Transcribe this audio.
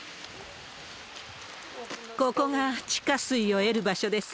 ここが地下水を得る場所です。